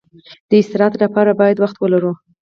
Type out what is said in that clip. د استراحت لپاره هم باید وخت ولرو.